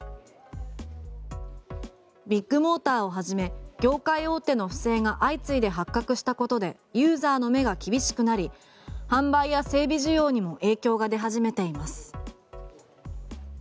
ビッグモーターを始め業界大手の不正が相次いで発覚したことでユーザーの目が厳しくなり販売や整備需要にも影響が出始めています。